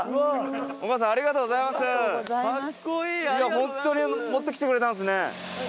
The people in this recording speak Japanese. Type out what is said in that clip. ホントに持ってきてくれたんすね。